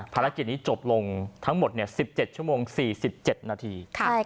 ภารกิจนี้จบลงทั้งหมด๑๗ชั่วโมง๔๗นาที